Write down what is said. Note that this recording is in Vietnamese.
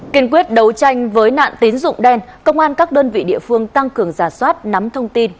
kiên quyết đấu tranh với nạn tín dụng đen công an các đơn vị địa phương tăng cường giả soát nắm thông tin